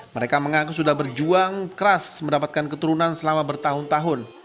mereka mengaku sudah berjuang keras mendapatkan keturunan selama bertahun tahun